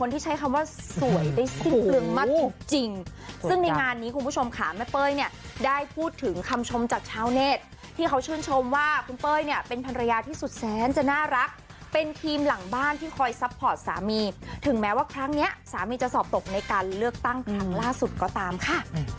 ถึงแม้ว่าครั้งนี้สามีจะสอบตกในการเลือกตั้งครั้งล่าสุดก็ตามค่ะ